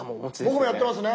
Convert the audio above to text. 僕もやってますね。